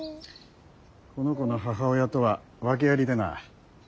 この子の母親とは訳ありでな。